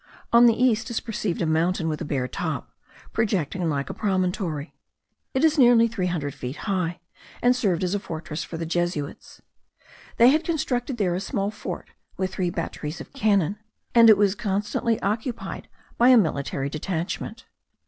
On the east is perceived a mountain with a bare top, projecting like a promontory. It is nearly three hundred feet high, and served as a fortress for the Jesuits. They had constructed there a small fort, with three batteries of cannon, and it was constantly occupied by a military detachment.